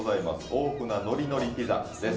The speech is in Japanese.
大船のりのりピザです。